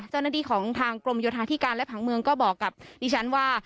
เจ้าหน้าที่ของทางกรมโยธาธิการและผังเมืองก็บอกกับดิฉันว่า